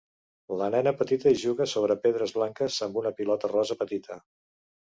La nena petita juga sobre pedres blanques amb una pilota rosa petita.